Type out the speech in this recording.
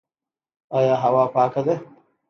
آیا هوا پاکه ده؟